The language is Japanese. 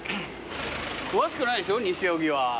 詳しくないでしょ西荻は。